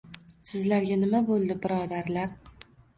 — Sizlarga nima bo‘ldi, birodarlar?!